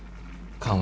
緩和